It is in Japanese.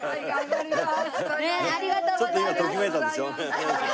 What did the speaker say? ありがとうございます。